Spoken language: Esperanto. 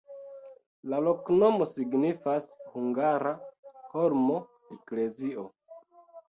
La loknomo signifas: hungara-holmo-eklezio.